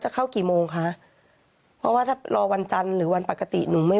เข้ากี่โมงคะเพราะว่าถ้ารอวันจันทร์หรือวันปกติหนูไม่